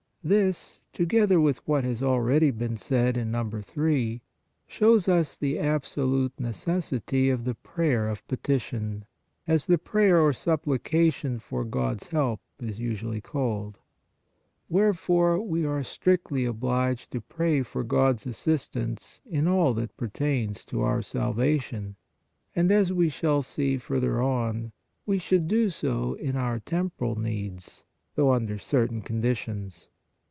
This, together with what has already been said in III, shows us the absolute necessity of the prayer of petition, as the prayer or supplication for God s help is usually called. Wherefore we are strictly obliged to pray for God s assistance in all that per tains to our salvation, and as we shall see further on, we should do so in our temporal needs, though under certain conditions.